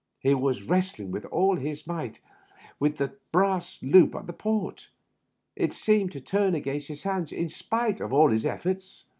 He was wrestling with all his might, with the brass loop of the port. It seemed to turn against his hands in spite of all his efforts.